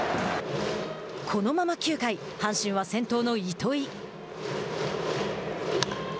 このまま９回、阪神は先頭の糸井。